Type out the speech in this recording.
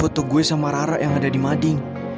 foto gue sama rara yang ada di mading